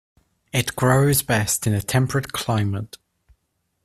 It grows best in a temperate climate.